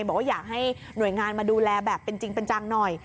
บอกว่าอยากให้หน่วยงานมาดูแลแบบเป็นจริงเป็นจังหน่อย